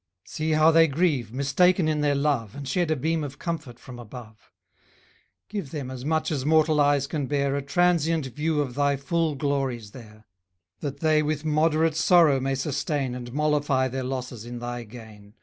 See how they grieve, mistaken in their love, And shed a beam of comfort from above; Give them, as much as mortal eyes can bear, A transient view of thy full glories there; That they with moderate sorrow may sustain, And mollify their losses in thy gain.